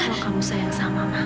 kalau kamu sayang sama mama